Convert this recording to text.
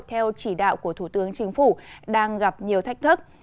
theo chỉ đạo của thủ tướng chính phủ đang gặp nhiều thách thức